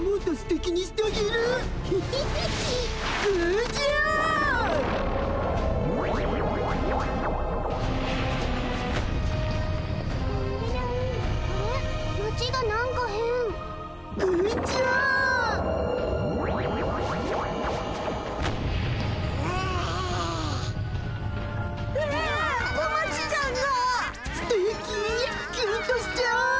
すてきキュンとしちゃう。